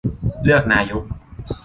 -เลือกนายก